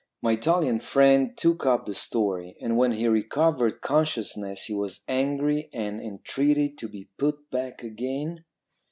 "My Italian friend took up the story. "'And when he recovered consciousness he was angry and entreated to be put back again?'